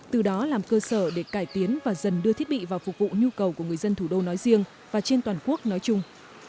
từ đó làm cơ sở để cải tiến và dần đưa thiết bị vào phục vụ nhu cầu của người dân thủ đô nói riêng và trên toàn quốc nói chung